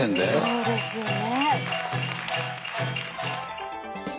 そうですよね。